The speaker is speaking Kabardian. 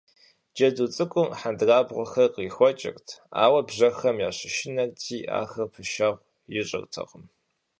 Джэду цӏыкӏум хьэндырабгъуэхэр кърихуэкӀырт, ауэ бжьэхэм ящышынэрти, ахэр пэшэгъу ищӀыртэкъым.